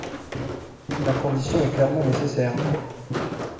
La condition est clairement nécessaire.